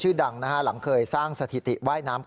ชื่อดังนะฮะหลังเคยสร้างสถิติว่ายน้ำ